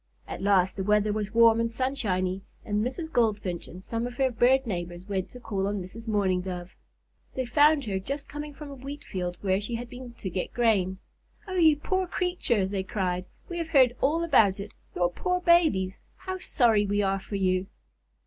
At last the weather was warm and sunshiny, and Mrs. Goldfinch and some of her bird neighbors went to call on Mrs. Mourning Dove. They found her just coming from a wheat field, where she had been to get grain. "Oh, you poor creature!" they cried. "We have heard all about it. Your poor babies! How sorry we are for you!"